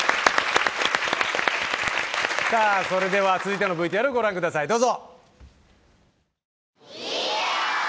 それでは続いてのＶＴＲ、御覧ください、どうぞ。